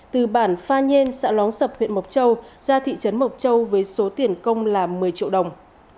từ bản pha nhền xã lóng sập huyện mộc châu ra thị trấn mộc châu với số tiền công là một mươi triệu đồng